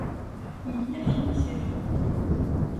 Il y a fini ses jours.